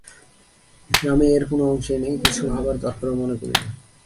আমি এর কোনো অংশেই নেই, কিছু ভাবার দরকারও মনে করি না!